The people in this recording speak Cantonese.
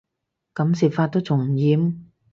噉食法都仲唔厭